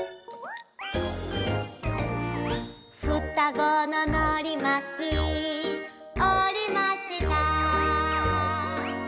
「双子ののりまきおりました」